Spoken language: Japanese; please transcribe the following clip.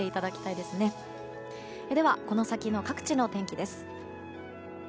では、この先の各地の天気です。